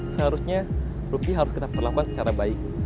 seharusnya rupiah harus kita perlakukan secara baik